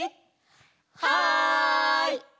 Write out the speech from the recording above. はい！